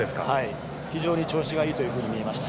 非常に調子がいいというふうに見えました。